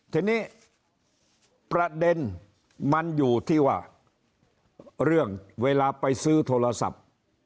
ทีนี้ประเด็นมันอยู่ที่ว่าเรื่องเวลาไปซื้อโทรศัพท์